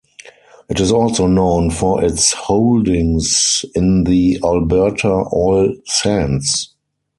It is also known for its holdings in the Alberta Oil Sands.